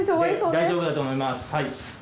大丈夫だと思います。